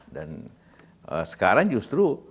dan sekarang justru